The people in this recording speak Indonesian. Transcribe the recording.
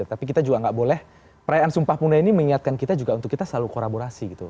tapi kita juga nggak boleh perayaan sumpah pemuda ini mengingatkan kita juga untuk kita selalu kolaborasi gitu